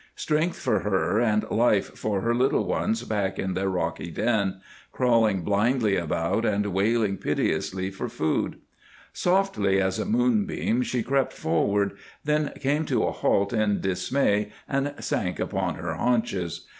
Strength for her, and life for her little ones back in their rocky den, crawling blindly about and wailing piteously for food. Softly as a moonbeam she crept forward, then came to a halt in dismay and sank upon her haunches.